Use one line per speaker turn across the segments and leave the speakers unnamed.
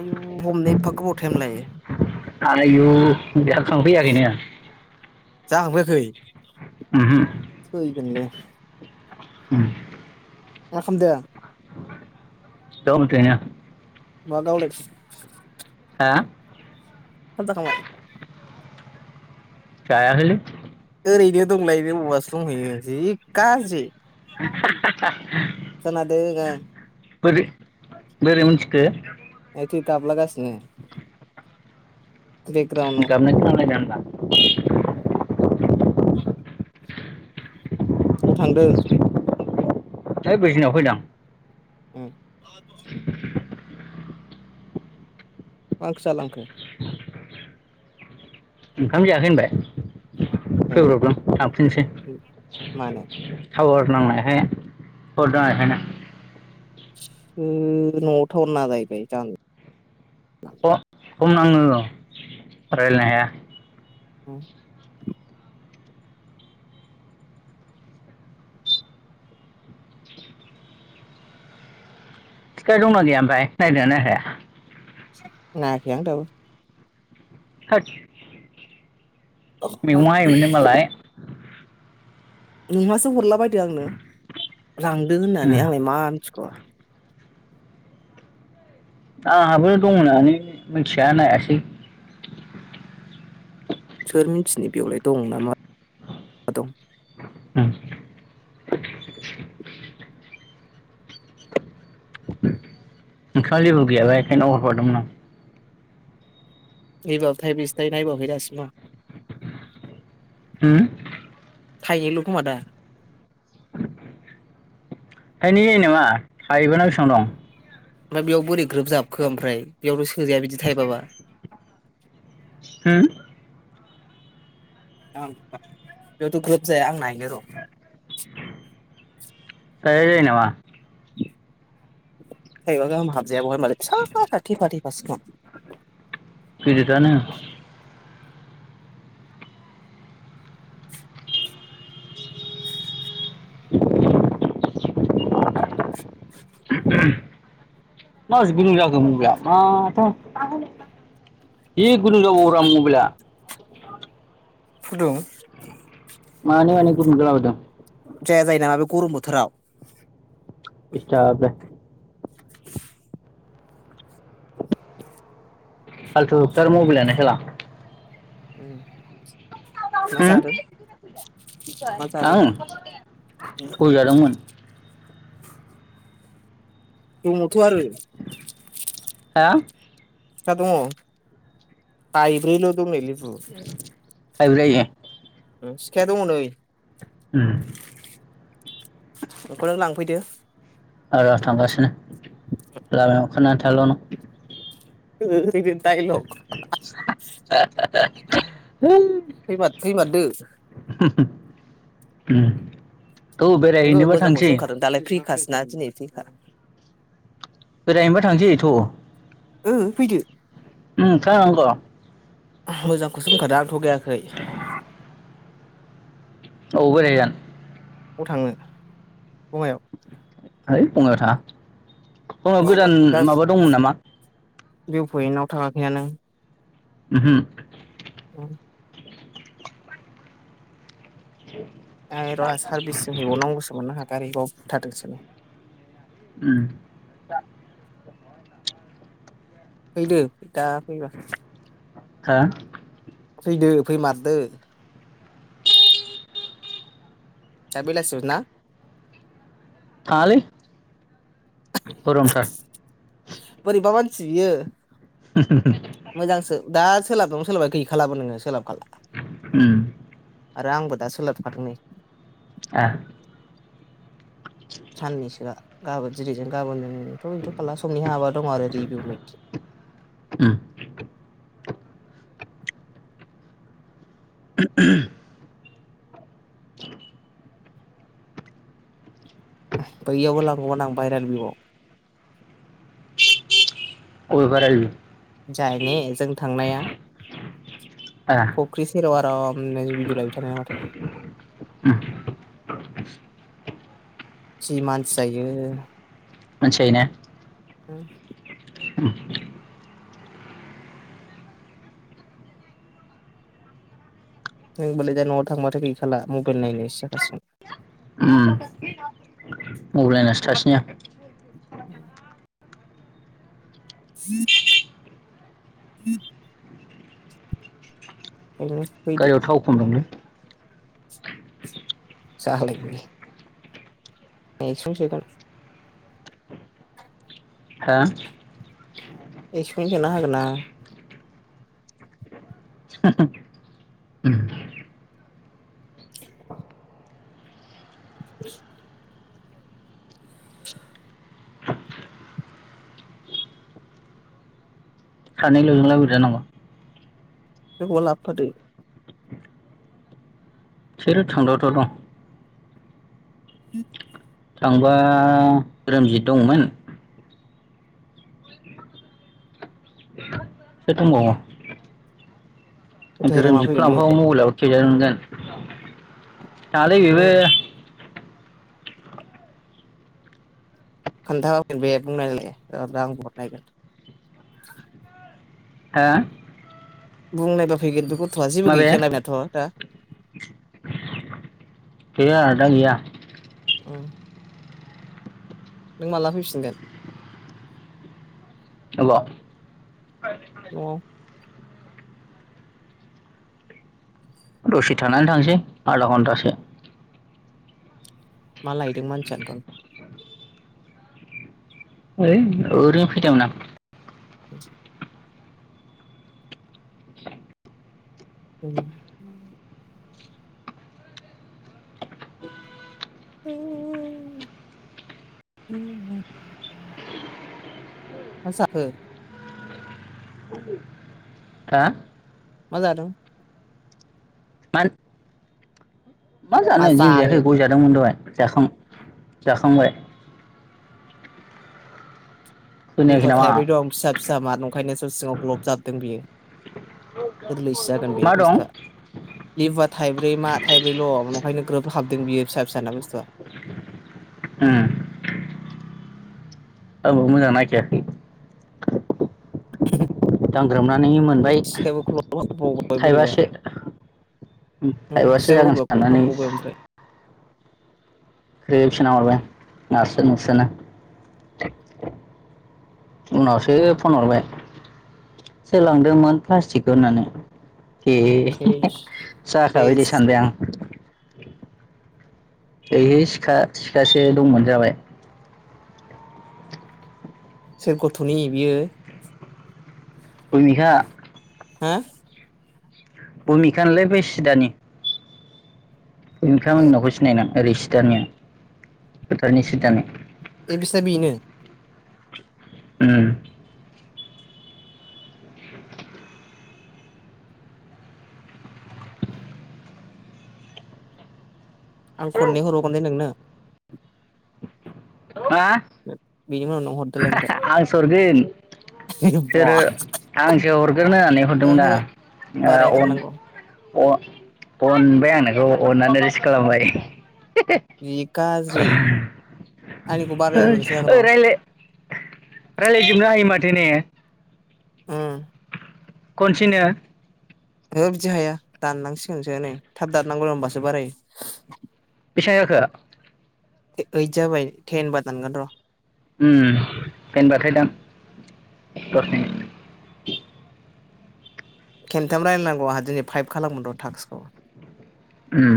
आयु हमनो एफा गोबाव टाइम लायो?
आयु जाखांफैयाखैनो
जाखांफैयाखै
उमहु
[inaudible]
उम
मा खामदों?
दं ओरैनो
मा गावलाय
हा
खाम जाखांबाय?
जायाखैलै
ओरैनो दंलायनो बबावबासो दंहैयो जि गाज्रि खोनादों आं
[unintelligible] बोरै बोरै मोनथिखो
बे थे दाब्ला गाससिनो
[inaudible] गाबनाय खोनालायला होमबा [inaudible]
[inaudible] औ थांदों
है बैजिङाव फैदां
ओ
[inaudible]
मा ओंख्रि जालांखो
ओंखाम जायाखै होनबाय फै ब्रबदों थांफिनसै
मानो
टावार नांनायखाय हरदं आं एखायनो
[unintelligible] न'आव टावार नाङा जाहैबाय [inaudible]
ख' खमनाङो रायलायनो हाया
हम [unintelligible]
[inaudible] दंना गैया ओमफाय नायदों ना नायाखै
नायाखै आं दाबो
थोद मेगं हायोमोन नो मालाय
नोमासो हरलाबाय [inaudible] आंनो लांदो होननानै आंलाय
ओम
मा मिथिग'
आंहाबो दं होननानै मोनथिया नायासै
सोर मिथिनाय बेवलाय दं नामा [inaudible] दं
उम [inaudible] नाव जेबो गैयाबा एखायनो हरफादोंमोन आं
[inaudible] थाय [inaudible] थाय नायबावाखै दासिमबो आं
उम
थाइनैल' खोमा दा
थाइनै जायो नामा थाइबाना बिसां दं
ओमफ्राय बेयाव बोरै ग्रोब जाबखो ओमफ्राय बेयावथ' सोजाया बिदि थायबाबा
हो
[inaudible] बेयावथ' ग्रोब जाया आं नायनो र' [inaudible]
जाया जायो नामा
थाइबा गाहाम हाबजाया ब'हाय होमबालाय फिसा फिसा थेफा थेफासो खोमा
गिदिद आनो
[inaudible] [inaudible]
[inaudible] [inaudible] मा [inaudible] [inaudible] जि गुदुं जाबाय मबाइला
फुदुं
मानो मानो गुदुं जाला बायदों?
जाया जायो नामा बे गरम बोथोराव।
दिसथाब नो।
[inaudible]
फालथु थार मबेलानो साला।
उम
ओ,
मा जादों
आं गय जादोंमोन।
दङथ' आरो।
हा?
फिथा दङ? बाइब्रैल' दं नै लेबु।
थायब्रै
सिखाया दङ नै।
उम।
बेखौ नों लांफैदो।
आ र थांगासिनो लामायाव ओंखारनानै थाल' नों। [unintelligible]
ओ फैदो। [unintelligible]
[unintelligible]
फैमार फैमारदो।
उम थौ
नोंगो
बेरायहैनोबा
मोजांखौ
थांसै
होनखादों दालाय फ्रि खास। नाजिनिसिखा
बेरायनोबा थांसै थ।
ओम फैदो।
उम खांग
मोजांखौसो बुंखादों आं थगायाखै।
औ बोराया
ब थाङो?
ऐ बङायाव थाङा। बंआयाव गोदान
दा
माबा दंमोन नामा?
भिउ पइन्टआव थाङाखै नों?
उहो
औ [inaudible] ए र सारबिस सो हैबावनांगौसो मोननो आंहा। गारि बब थाथोंसै।
उम।
फैदो दा फैबा
हा?
फैदो फैमारदो। दा बेलासियाव ना?
थाङालै। गरमथार।
सियो
[unintelligible]
दा सोलाबं सोलाबबा गैखालाबो नोङो सोलाबखाला।
उम।
आरो आंबो दा सोलाबखादों नै।
आ।
साननिसोया। गाबोन जेरैजों गाबोन जों [unintelligible]
उम [inaudible]
बैयावबो लांगौमोन आं भायरेल बिउआव'
अबे बायरेल बिउ?
जाय ने जों थांनाया
आ
फख्रि सेर आरम [unintelligible]
[unintelligible]
जि मानसि जायो।
मानसि जायोना?
होम। नोंबालाय दा न'आव थांबाथाय गैखाला मबाइल नायनायसो जाखासिगोन।
अबलायनासो थासिनोया।
औ। [inaudible] [inaudible] ओंखायनो फैदो
गारियाव थाव खम दंलै।
जालायबाय [unintelligible]
हा?
[unintelligible]
उम
[inaudible] [inaudible]
सानैल'जोंलाय बोरै जानांग'?
सोरखौबा लाबोफादो।
सोर थांथावथाव दं?
[inaudible]
थांबा रोमजित दंमोन। [unintelligible] [unintelligible]
धोरोमा फैगोन बे
मबाइलावबो खेलेरगोन थाङालै बिबो
उम खोन्थाब बे बुंनायलाय आं ब नायगोन
हा
बुंनाय बा फै बिगुर गथ'आ जेबो
माबे
गैख ना बियाथ' दा
गैया दा गैया
औ नों माला फैफिनगोन?
अ
अ
दसे थानानै थांसै आधा घन्टासो
मा लायदों मानसियाथ'
ओइ ओरैनो फैदोंमोन आं
मा उम [unintelligible] मा जाखो
हा
मा जादों
[unintelligible] मा जानो जिउ जायाखै गयजादोंमोन दहाय जाखां जाखांबाय खोनायाखै
बेबाबुवा
नामा
थायब्रै दं फिसा फिसा मान [unintelligible] जागोन दे
मा दं
बुसतुआ लेबुवा थाइब्रै मा थाइब्रैल' ओंखायनो ग्रोब हाबदों बियो फिसा फिसाना बुस्थुआ
ओम औ मोजांनायखायाखै दांग्रोमनानै
ओमफ्राय
मोनबाय
सिखायाबो ग्लब हाबबावबाय बोरैबा
थाइबासो
उम
थाइबासो
सिखायाबो
जागोन
बोरैबा ग्लब
साननानै
हाबबावबाय ओमफ्राय
ग्रोब सोनाहरबाय आं नारसो नारसोनो उनावसो फन हरबाय सोरलांदोंमोन प्लास्टिकखौ होननानै ए
सेस
जाखाबाय दे
सेस
सानबाय
सेस
आं। है सिखा सिखासो दंमोन जाबाय
सोर गथ'नि बियो
ओइहा
हा
भुमिखानिलै बेै सिदानि नोंथां
ए
मुवाखौ सिनायना ओरै सि दानिया फोथारनि सिदानि
ए बिसा बेनो
उम
आं खननै हरावगोन दे नोंनो
हा
बिनि उनाव नों हर
आंसो हरगोन
ओमफ्राय बा
सोर आंसो हरगोन होननानै हरदोंमोन
ओहो
ना
बारायग्रोनांगौ
अनबाय आं नोंखौ अननानै रिस खालामबाय
जि गाज्रि आंनिखौ
[unintelligible]
बारायग्रोनोसै आं र'
रायलाय रालायलायजोबनो हायो माथो ने [unintelligible]
ओ [unintelligible]
खनसेनो [unintelligible]
हो बिदि हाया दाननांसिगोनसो नै थाब दाननांगौ होनोमबासो बारायो [unintelligible]
बेसांजाखो [unintelligible]
ओइद जाबाय थेन बारनांगोन र' [unintelligible]
होम होनबाथाय दान हरफिन [unintelligible]
खन्थाम रायलायनांगौ आंहा दिनै पाइप खालामगोन र' टास्सखौ [unintelligible]
उम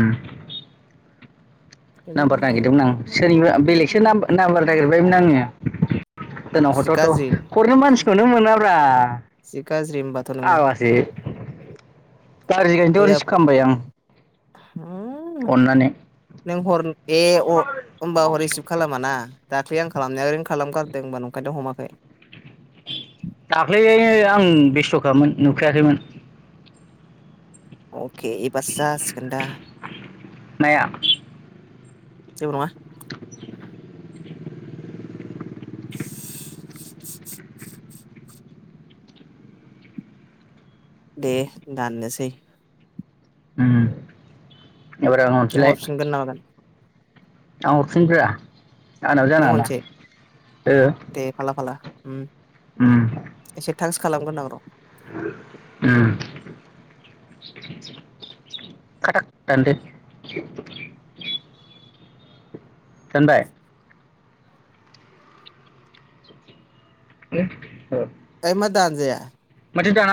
नाम्बार नागिरदोंमोन आं सोरनिबा बेलेगसो नाम्बार नागिरबायमोन आङो सोरनाव
जि
हरथ'थ'
गाज्रि
हरनो मानसिखौनो मोनाब्रा
जि गाज्रि होमबाथ' नोङो
आवासो गार्जाखायनोथ'
मैया
रिसिभ खालामबाय आं अननानै
नों हर ए अ होनबा ह रिसिभ खालाम ना दाख्लै आं खालामनाया ओरैनो खालामगारदों होम्बा नंखायथ' हमाखै
दाख्लै आं बेसे स'खामोन नुखायाखैमोन
औ के एबारसो जासिखोन्दा
नाया
जेबो नंङा [inaudible] दे दाननोसै
उम एबार आं
नों
हरफिनलाय
हरफिनगोन ना मागोन
आं हरफिननि ब्रा आंनाव
नों
जानाङाना
हरनोसै
ओ
दे [inaudible]
उम
थाक्स खालामगोनो आं र'
उम खाथाक दान्दो दानबाय [inaudible]
ओंइ मां दानजाया
माथो दाना